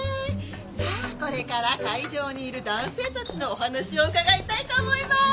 さあこれから会場にいる男性たちのお話を伺いたいと思います！